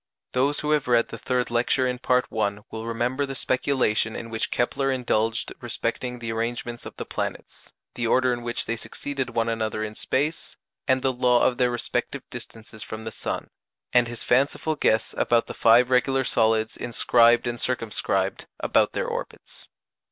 Those who have read the third lecture in Part I. will remember the speculation in which Kepler indulged respecting the arrangements of the planets, the order in which they succeeded one another in space, and the law of their respective distances from the sun; and his fanciful guess about the five regular solids inscribed and circumscribed about their orbits.